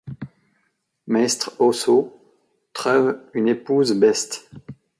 Maistre Anseau treuve une espouse Best